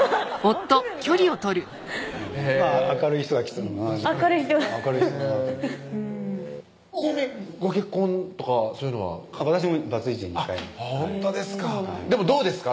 みたいな明るい人が来てるな明るい人がちなみにご結婚とかそういうのは私もバツイチ２回目ほんとですかでもどうですか？